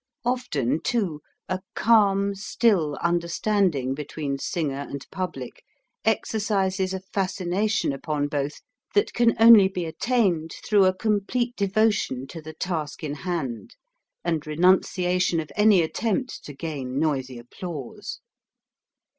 Often, too, a calm, still under standing between singer and public exercises a fascination upon both that can only be attained through a complete devotion to the task in hand, and renunciation of any attempt to gain noisy applause.